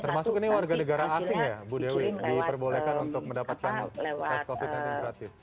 termasuk ini warga negara asing ya bu dewi diperbolehkan untuk mendapatkan tes covid sembilan belas gratis